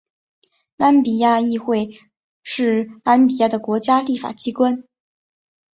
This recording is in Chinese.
纳米比亚议会是纳米比亚的国家立法机关。